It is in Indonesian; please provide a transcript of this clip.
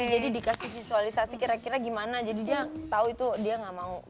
jadi dikasih visualisasi kira kira gimana jadi dia tahu itu dia nggak mau